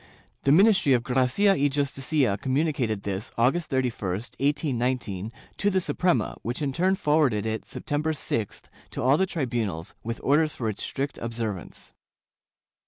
The ministry of Gracia y Justicia communicated this, August 31, 1819, to the Suprema, which in turn forwarded it, September 6th, to all the tribunals with orders for its strict observance.